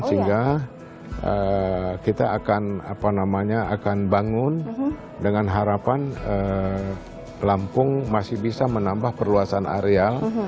sehingga kita akan bangun dengan harapan lampung masih bisa menambah perluasan areal